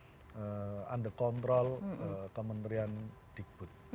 harus dirubah dan semua dalam under control kementerian digbud